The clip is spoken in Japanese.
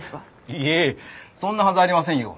いえそんなはずありませんよ。